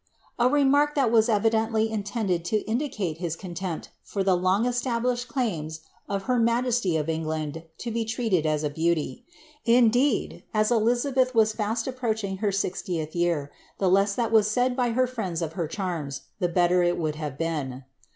* A remark that was evidently intended to indicate his contempt for the long esiahlished claims of her majesty of England to be treated as a beauty : indeed, as Elizabeth was &8t approaching her sixtieth year, the less that was said by her friends of her charms, the better it would have been.